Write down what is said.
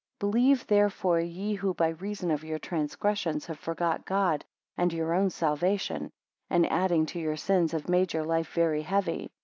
31 Believe therefore, ye who by reason of your transgressions have forgot God and your own salvation; and adding to your sins have made your life very heavy.